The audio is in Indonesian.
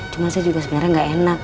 cuma saya juga sebenarnya nggak enak